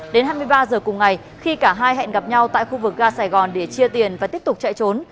đến hai mươi ba giờ cùng ngày khi cả hai hẹn gặp nhau tại khu vực ga sài gòn để chia tiền và tiếp tục chạy trốn